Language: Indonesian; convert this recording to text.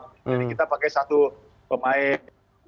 jadi kita pakai satu pemain